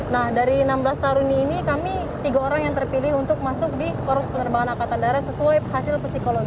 nah dari enam belas taruni ini kami tiga orang yang terpilih untuk masuk di poros penerbangan angkatan darat sesuai hasil psikologi